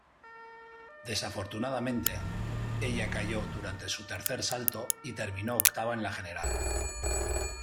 Desafortunadamente, ella cayó durante su tercer salto y terminó octava en la general.